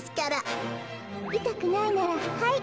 いたくないならはい。